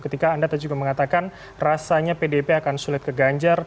ketika anda tadi juga mengatakan rasanya pdip akan sulit ke ganjar